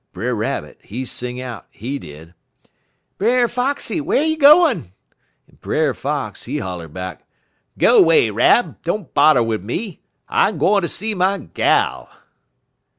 Brer Rabbit, he sing out, he did: "'Brer Foxy, whar you gwine?' "En Brer Fox, he holler back: "'Go 'way, Rab; don't bodder wid me. I'm gwine fer ter see my gal.'